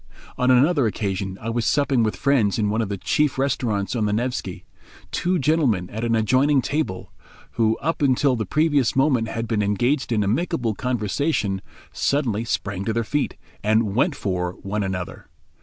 On another occasion I was supping with friends in one of the chief restaurants on the Nevsky. Two gentlemen at an adjoining table, who up till the previous moment had been engaged in amicable conversation, suddenly sprang to their feet, and "went for" one another.